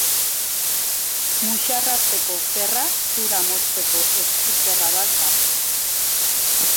Muxarratzeko zerra zura mozteko esku-zerra bat da.